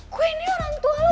gue ini orang tua loh